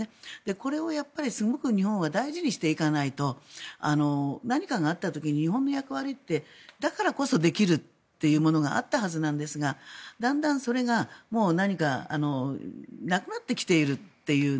これをすごく日本は大事にしていかないと何かがあった時に日本の役割ってだからこそできるというものがあったはずなんですがだんだんそれがなくなってきているという。